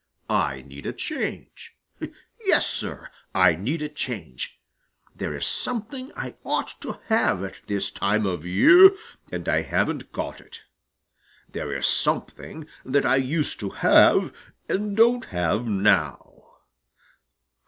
I need a change. Yes, Sir, I need a change. There is something I ought to have at this time of year, and I haven't got it. There is something that I used to have and don't have now.